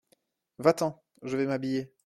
Va-t'en, je vais m'habiller.